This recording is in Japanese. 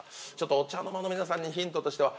お茶の間の皆さんにヒントとしては。